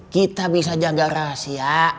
kita bisa jaga rahasia